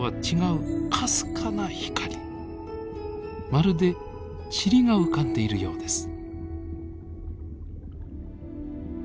まるでちりが浮かんでいるようです。